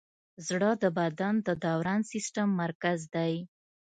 زړه د بدن د دوران سیسټم مرکز دی.